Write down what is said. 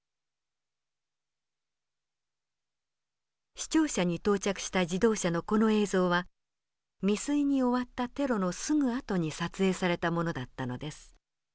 市庁舎に到着した自動車のこの映像は未遂に終わったテロのすぐ後に撮影されたものだったのです。